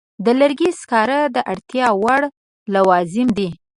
د لرګي سکاره د اړتیا وړ لوازم دي.